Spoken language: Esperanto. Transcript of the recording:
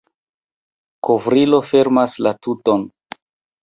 Kovrilo fermas la tuton.